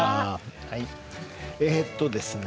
えっとですね